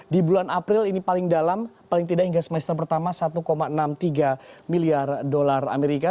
di bulan april ini paling dalam paling tidak hingga semester pertama satu enam puluh tiga miliar dolar amerika